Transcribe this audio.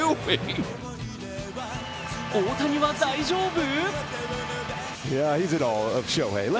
大谷は大丈夫？